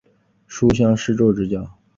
书香世胄之家。